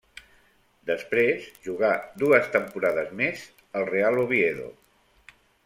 Després jugà dues temporades més al Real Oviedo.